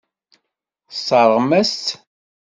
Tesseṛɣem-as-tt.